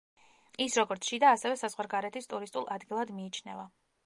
ის როგორც შიდა ასევე საზღვარგარეთის ტურისტულ ადგილად მიიჩნევა.